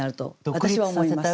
私は思います。